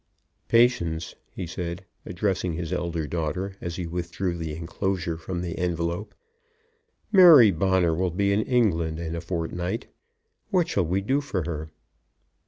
"Patience," he said, addressing his elder daughter as he withdrew the enclosure from the envelope, "Mary Bonner will be in England in a fortnight. What shall we do for her?"